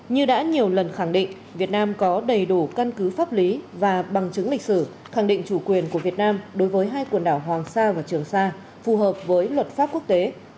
như đã nhiều lần khẳng định việt nam có đầy đủ căn cứ pháp lý và bằng chứng lịch sử khẳng định chủ quyền của việt nam đối với hai quần đảo hoàng sa và trường sa phù hợp với luật pháp quốc tế